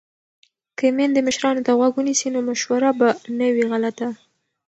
که میندې مشرانو ته غوږ ونیسي نو مشوره به نه وي غلطه.